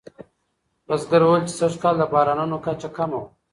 بزګر وویل چې سږکال د بارانونو کچه کمه وه.